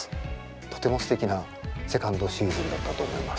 とてもすてきなセカンドシーズンだったと思います。